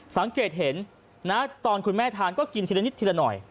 สังเกตเห็นนะตอนคุณแม่ทานก็กินทีละนิดทีละหน่อย